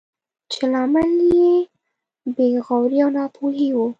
چې لامل یې بې غوري او ناپوهي وه.